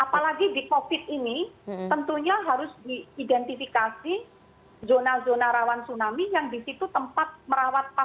apalagi di covid ini tentunya harus diidentifikasi zona zona rawan tsunami yang di situ tempat merawakan